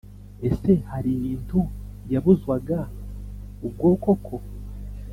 ese hari ibintu yabuzwaga ubwo koko ?